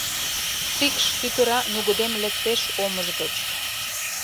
Шикш-тӱтыра нугыдем лектеш омыж гыч.